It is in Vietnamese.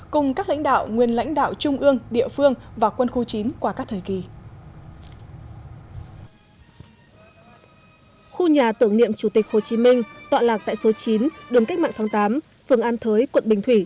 cùng các lãnh đạo nguyên lãnh đạo trung ương địa phương và quân khu chín qua các thời kỳ